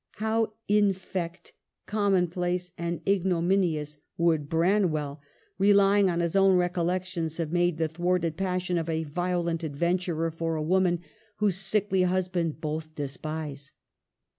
How in fecte, commonplace, and ignominious would Bran well, relying on his own recollections, have made the thwarted passion of a violent adventurer for a woman whose sickly husband both despise